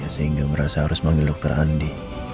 sehingga merasa harus memanggil dokter andi